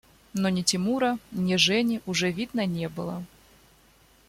Но ни Тимура, ни Жени уже видно не было.